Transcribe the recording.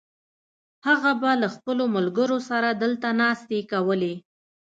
هغه به له خپلو ملګرو سره دلته ناستې کولې.